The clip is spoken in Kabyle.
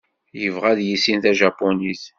Yebɣa ad yissin tajapunit.